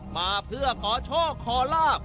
มาเพื่อขอโชคขอลาบ